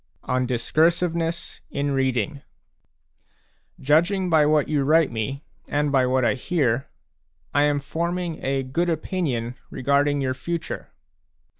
ON DISCURSIVENESS IN READING Judging by what you write me, and by what I hear, I am forming a good opinion regarding your future.